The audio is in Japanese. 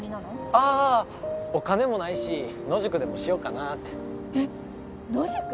あぁお金もないし野宿でもしようかなってえっ野宿⁉